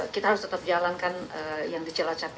kita harus tetap jalankan yang di cilacap